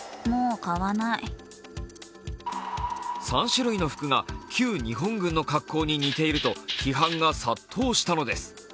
３種類の服が旧日本軍の格好に似ていると批判が殺到したのです。